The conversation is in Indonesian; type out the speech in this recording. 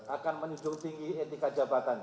akan menjunjung tinggi etika jabatan